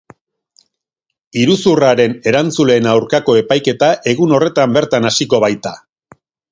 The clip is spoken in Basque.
Iruzur haren erantzuleen aurkako epaiketa egun horretan bertan hasiko baita.